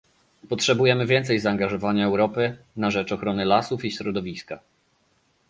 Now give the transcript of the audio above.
Potrzebujemy więcej zaangażowania Europy na rzecz ochrony lasów i środowiska